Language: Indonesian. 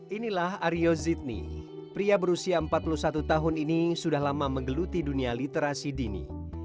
inilah aryo zidni pria berusia empat puluh satu tahun ini sudah lama menggeluti dunia literasi dini